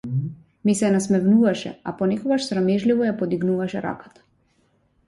Ми се насмевнуваше, а понекогаш срамежливо ја подигнуваше раката.